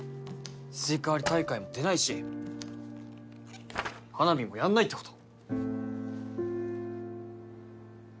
スイカ割り大会も出ないし花火もやんないってこと？